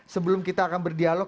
sebelum kita akan berdialog